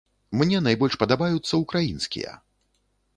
Мне найбольш падабаюцца украінскія.